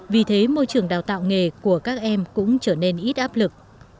vì thế môi trường đào tạo nghề của các em cũng trở nên ít áp lực